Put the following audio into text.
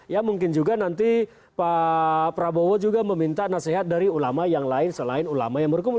ya mungkin juga nanti pak prabowo juga meminta nasihat dari ulama yang lain selain ulama yang berkumpul